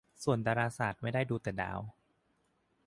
ส่วนดาราศาสตร์ไม่ได้ดูแต่ดาว